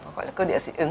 gọi là cơ địa dị ứng